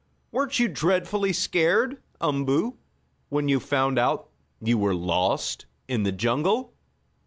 "Weren't you dreadfully scared, Umboo, when you found out you were lost in the jungle?"